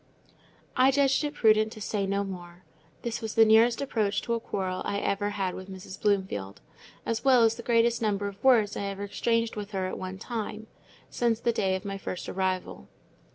I judged it prudent to say no more. This was the nearest approach to a quarrel I ever had with Mrs. Bloomfield; as well as the greatest number of words I ever exchanged with her at one time, since the day of my first arrival.